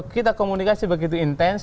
kita komunikasi begitu intens